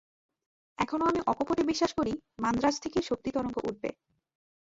এখনও আমি অকপটভাবে বিশ্বাস করি, মান্দ্রাজ থেকেই শক্তিতরঙ্গ উঠবে।